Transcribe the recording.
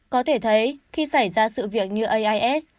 có thể thấy khi xảy ra sự việc như ais